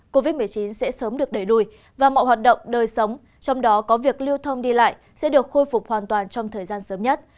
covid một mươi chín sẽ sớm được đẩy lùi và mọi hoạt động đời sống trong đó có việc lưu thông đi lại sẽ được khôi phục hoàn toàn trong thời gian sớm nhất